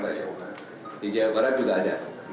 di jawa barat juga ada